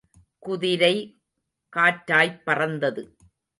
குதிரை காற்றாய்ப் பறந்தது.